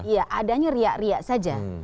ya adanya riak riak saja